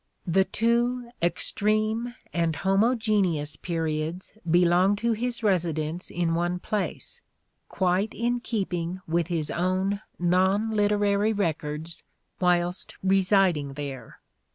The two extreme and homo geneous periods belong to his residence in one place, quite in keeping with his own non literary records whilst residing there.